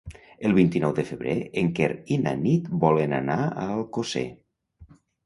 El vint-i-nou de febrer en Quer i na Nit volen anar a Alcosser.